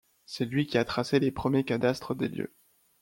C'est lui qui a tracé les premiers cadastres des lieux.